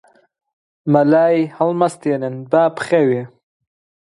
مەلای هەڵمەستێنن با بخەوێ